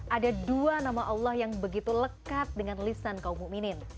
ada dua nama allah yang begitu lekat dengan lisan kaum ⁇ minin